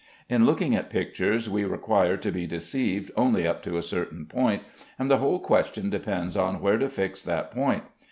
In looking at pictures, we require to be deceived only up to a certain point, and the whole question depends on where to fix that point.